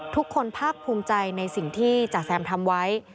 ทุกคนภาคภูมิใจในสิ่งที่จ๋าแซมทำไว้